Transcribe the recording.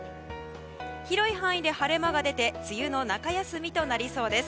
広い範囲で晴れ間が出て梅雨の中休みとなりそうです。